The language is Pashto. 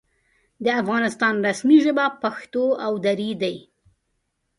د افغانستان رسمي ژبې پښتو او دري دي.